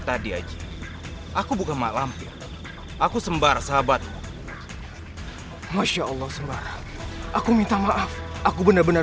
tadi haji aku bukan malampir aku sembara sahabatmu masya allah sembara aku minta maaf aku benar benar